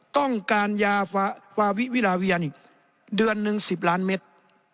ต้องการยาฟาวิวิลาเวียนอีกเดือนหนึ่ง๑๐ล้านเมตร